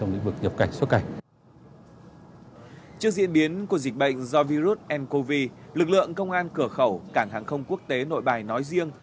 lực lượng công an cửa khẩu cảng hàng không quốc tế nội bài nói riêng